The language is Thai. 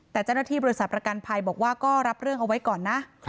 แต่เจ้าหน้าที่บริษัทประกันภัยบอกว่าก็รับเรื่องเอาไว้ก่อนนะ